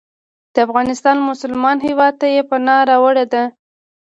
د افغانستان مسلمان هیواد ته یې پناه راوړې ده.